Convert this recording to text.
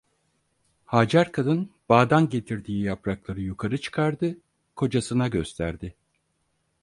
Hacer kadın bağdan getirdiği yaprakları yukarı çıkardı, kocasına gösterdi.